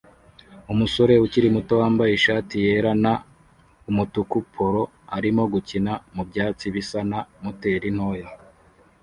Umusore ukiri muto wambaye ishati yera na umutuku polo arimo gukina mubyatsi bisa na moteri ntoya